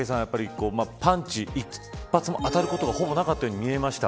これ、武井さんパンチ１発も当たることがほぼなかったように見えました。